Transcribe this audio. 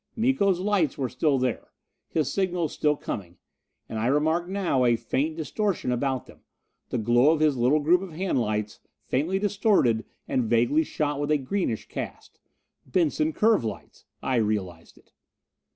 Miko's lights were still there. His signals still coming. And I remarked now a faint distortion about them, the glow of his little group of hand lights faintly distorted and vaguely shot with a greenish cast. Benson curve lights! I realized it.